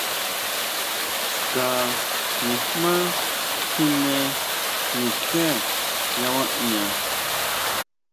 Xka nijmá kjine nutsé nga ma ʼña.